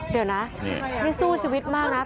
เดี๋ยวนะนี่สู้ชีวิตมากนะ